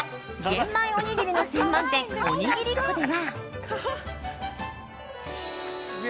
玄米おにぎりの専門店おにぎりっこでは。